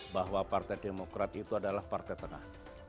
bahwa partai demokrat itu adalah partai tengah